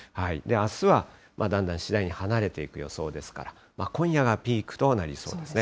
あすはだんだん次第に離れていく予想ですから、今夜がピークとなりそうですね。